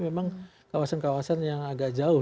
memang kawasan kawasan yang agak jauh